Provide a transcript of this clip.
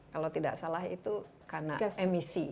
kalau tidak salah itu karena emisi